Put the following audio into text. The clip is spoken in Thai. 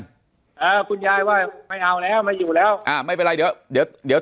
แต่คุณยายจะขอย้ายโรงเรียน